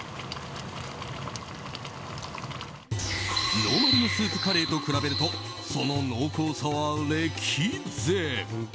ノーマルのカレースープと比べると、その濃厚さは歴然。